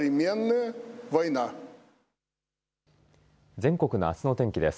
全国のあすの天気です。